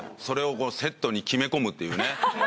それをセットに決め込むっていうね。